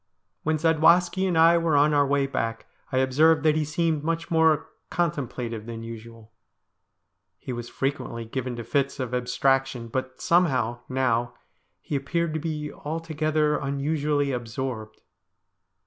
When Zadwaski and I were on our way back, I observed that he seemed much more contem plative than usual. He was frequently given to fits of abstraction, but somehow, now, he appeared to be altogether unusually absorbed.